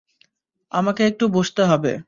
আমাকে একটু বসতে হবে।